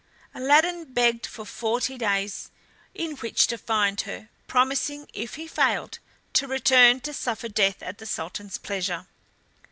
Aladdin begged for forty days in which to find her, promising if he failed to return to suffer death at the Sultan's pleasure.